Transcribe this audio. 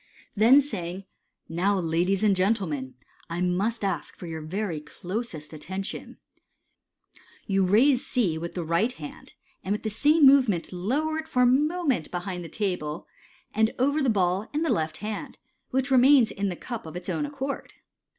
Then saying, " Now, ladies and gentlemen, I must ask for your very closest attention," 190 , MODERN MAGIC, vou raise C with the right hand, and with the same movement lowei it for a moment behind the table, and over the ball in the left hand, which remains in the cup of its own accord.